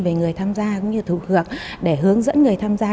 về người tham gia cũng như thủ hưởng để hướng dẫn người tham gia